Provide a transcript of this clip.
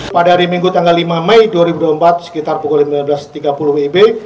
pada hari minggu tanggal lima mei dua ribu dua puluh empat sekitar pukul lima belas tiga puluh wib